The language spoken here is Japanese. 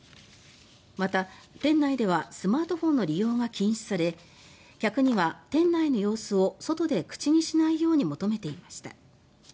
また、店内ではスマートフォンの利用が禁止され客には店内の様子を外で口にしないように求めていました。